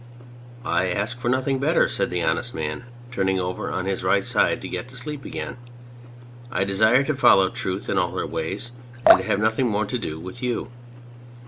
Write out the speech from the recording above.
" I ask for nothing better," said the Honest Man, turning over on his right side to get to sleep again, " I desire to follow Truth in all her ways, and to have nothing more to do with you."